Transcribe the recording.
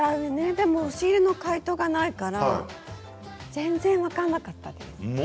でも押し入れの解答がないから全然、分からなかったです。